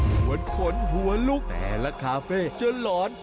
ชวนขนหัวลุกแต่ละคาเฟ่จนหลอน